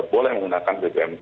boleh menggunakan bbm